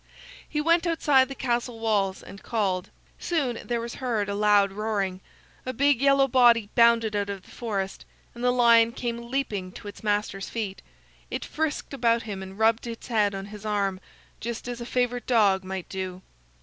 He went outside the castle walls and called. Soon there was heard a loud roaring; a big yellow body bounded out of the forest, and the lion came leaping to its master's feet. It frisked about him, and rubbed its head on his arm, just as a favorite dog might do.